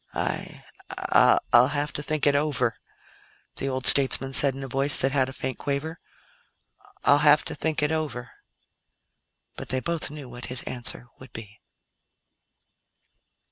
"I I'll have to think it over," the old statesman said in a voice that had a faint quaver. "I'll have to think it over." But they both knew what his answer would be.